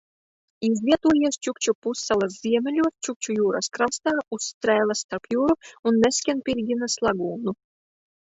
Izvietojies Čukču pussalas ziemeļos Čukču jūras krastā uz strēles starp jūru un Neskenpiļginas lagūnu.